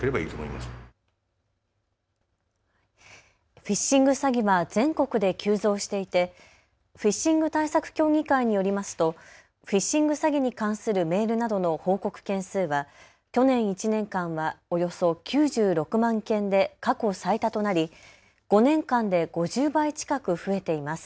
フィッシング詐欺は全国で急増していてフィッシング対策協議会によりますとフィッシング詐欺に関するメールなどの報告件数は去年１年間はおよそ９６万件で過去最多となり５年間で５０倍近く増えています。